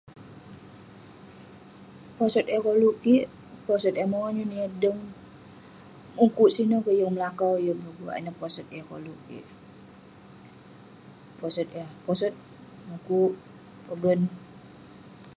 Posot yah koluk kik, posot yah monyun, yah deng, mukuk sineh..yeng melakau, yeng peguak, ineh posot yah koluk kik..posot yah posot, mukuk, pogen..